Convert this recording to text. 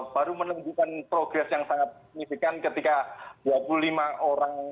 baru menunjukkan progres yang sangat signifikan ketika dua puluh lima orang